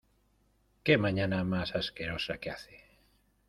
¡Qué mañana más asquerosa que hace!